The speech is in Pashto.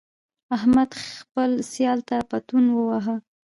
احمد خپل سیال ته پتون وواهه.